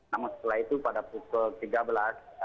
namun setelah itu pada pukul tiga belas